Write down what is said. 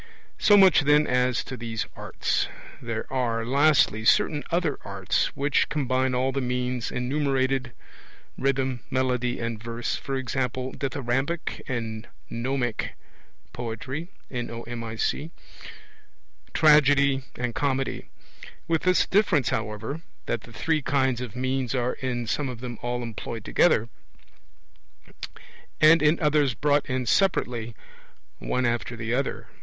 So much, then, as to these arts. There are, lastly, certain other arts, which combine all the means enumerated, rhythm, melody, and verse, e.g. Dithyrambic and Nomic poetry, Tragedy and Comedy; with this difference, however, that the three kinds of means are in some of them all employed together, and in others brought in separately, one after the other.